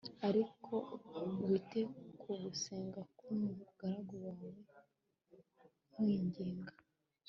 ariko wite ku gusenga k'umugaragu wawe nkwinginga